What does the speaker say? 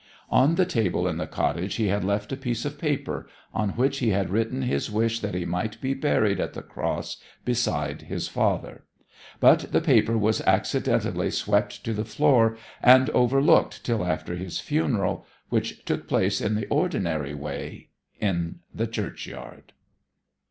On the table in the cottage he had left a piece of paper, on which he had written his wish that he might be buried at the Cross beside his father. But the paper was accidentally swept to the floor, and overlooked till after his funeral, which took place in the ordinary way in the churchyard.